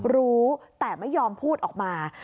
รู้แต่ไม่ยอมพูดออกมา